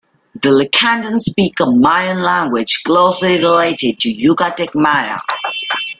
The Lacandon speak a Mayan language closely related to Yucatec Maya.